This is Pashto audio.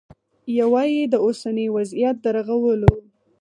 یوه یې د اوسني وضعیت د رغولو